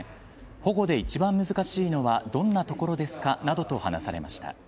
保護で一番難しいのはどんなところですか？などと話されました。